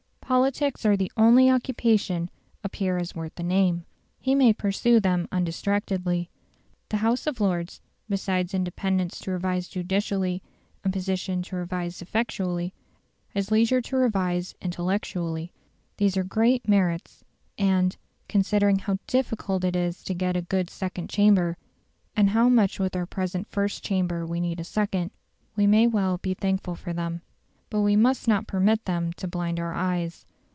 Politics are the only occupation a peer has worth the name. He may pursue them undistractedly. The House of Lords, besides independence to revise judicially and position to revise effectually, has leisure to revise intellectually. These are great merits: and, considering how difficult it is to get a good second chamber, and how much with our present first chamber we need a second, we may well be thankful for them. But we must not permit them to blind our eyes.